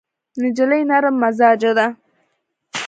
نجلۍ نرم مزاجه ده.